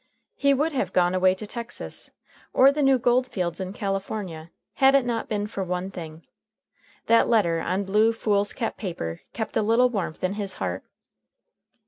He would have gone away to Texas or the new gold fields in California had It not been for one thing. That letter on blue foolscap paper kept a little warmth in his heart.